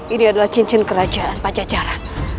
ini adalah cincin kerajaan pajajaran